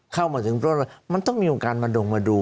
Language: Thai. เข้ามาถึงต้นมันต้องมีโอกาสมาดงมาดู